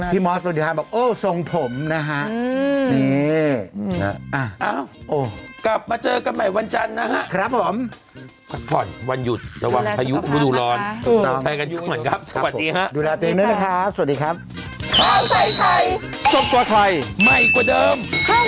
พี่ม็อตเขาก็มีคนอยากจีบ